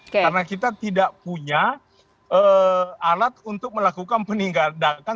karena kita tidak punya alat untuk melakukan peningkatan